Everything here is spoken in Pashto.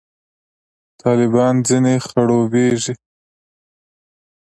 طالبان ځنې خړوبېږي.